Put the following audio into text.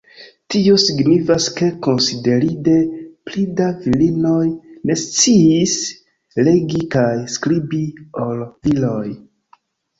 Tio signifas ke konsiderinde pli da virinoj ne sciis legi kaj skribi ol viroj.